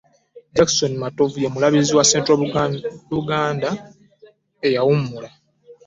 Jackson Matovu, ye mulabirizi wa Central Buganda eyawummula